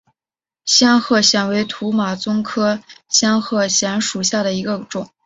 仙鹤藓为土马鬃科仙鹤藓属下的一个种。